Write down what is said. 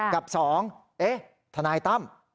กับสองเอ๊ะท่านนายต้ำ